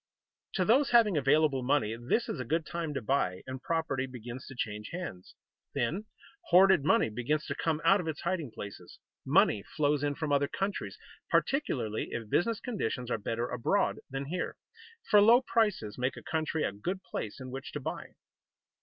To those having available money this is a good time to buy, and property begins to change hands. Then hoarded money begins to come out of its hiding places. Money flows in from other countries, particularly if business conditions are better abroad than here, for low prices make a country a good place in which to buy.